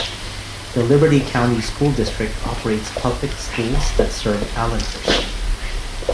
The Liberty County School District operates public schools that serve Allenhurst.